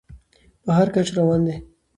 په هر کچ روان دى.